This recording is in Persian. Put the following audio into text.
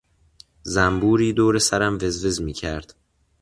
زنبوری دور سرم وز وز میکرد.